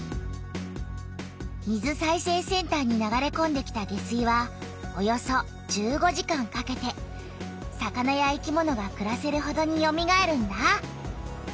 水再生センターに流れこんできた下水はおよそ１５時間かけて魚や生きものがくらせるほどによみがえるんだ。